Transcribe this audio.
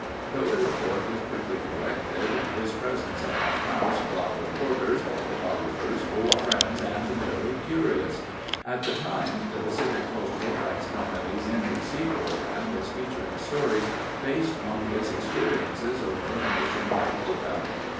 Though the report was quickly corrected, his presence at our house brought reporters, photographers, old friends, and the merely curious. At the time the Pacific Coast Borax Company's N.B.C. program was featuring stories based on his experiences over a nation wide hook up.